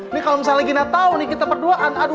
ini kalau misalnya gina tahu nih kita pertemu ya